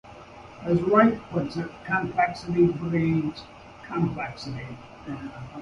As Wright puts it, complexity breeds complexity.